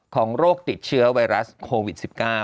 โรคติดเชื้อไวรัสโควิด๑๙